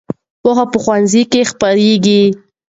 پوهه په ښوونځي کې خپرېږي.